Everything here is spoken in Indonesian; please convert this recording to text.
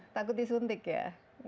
takut disuntik ya